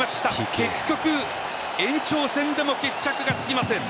結局延長戦でも決着がつきません。